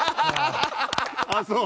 ああそう？